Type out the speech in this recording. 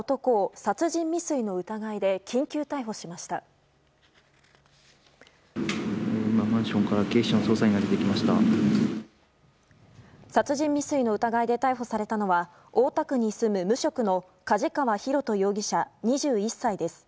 殺人未遂の疑いで逮捕されたのは大田区に住む無職の梶川寛人容疑者、２１歳です。